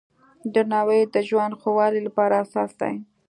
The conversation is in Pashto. درناوی د ژوند ښه والي لپاره اساس دی.